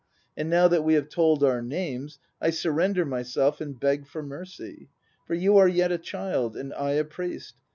And now that we have told our names, I surrender myself and beg for mercy; For you are yet a child, and I a priest.